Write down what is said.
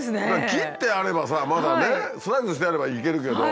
切ってあればさまだねスライスしてあればいけるけど。